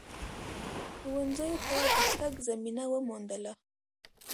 ښونځیو ته د تگ زمینه وموندله